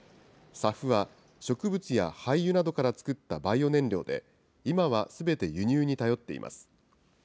ＳＡＦは植物や廃油などから作ったバイオ燃料で、今はすべて輸入に頼っています。